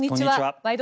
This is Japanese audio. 「ワイド！